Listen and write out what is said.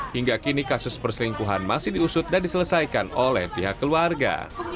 hingga kini kasus perselingkuhan masih diusut dan diselesaikan oleh pihak keluarga